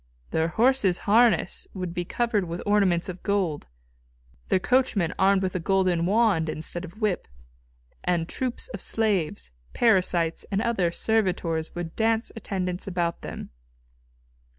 Their horses' harness would be covered with ornaments of gold, their coachmen armed with a golden wand instead of whip, and troups of slaves, parasites and other servitors would dance attendance about them.